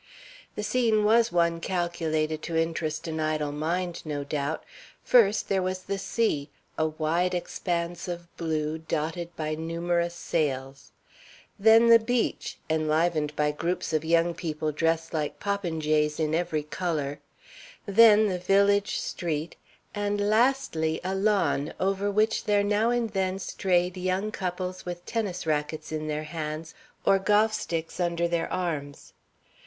The scene was one calculated to interest an idle mind, no doubt. First, there was the sea, a wide expanse of blue, dotted by numerous sails; then the beach, enlivened by groups of young people dressed like popinjays in every color; then the village street, and, lastly, a lawn over which there now and then strayed young couples with tennis rackets in their hands or golf sticks under their arms.